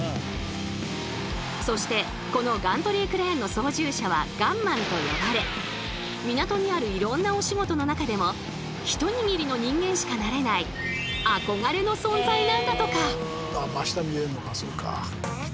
そしてこのガントリークレーンの操縦者は「ガンマン」と呼ばれ港にあるいろんなお仕事の中でも一握りの人間しかなれない憧れの存在なんだとか。